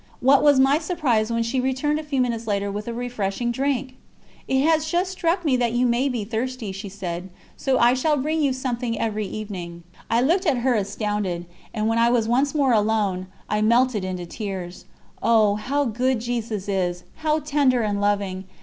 What was my surprise when she returned a few minutes later with a refreshing drink! 'It has just struck me that you may be thirsty,' she said, 'so I shall bring you something every evening.' I looked at her astounded, and when I was once more alone, I melted into tears. Oh! how good Jesus is! how tender and loving!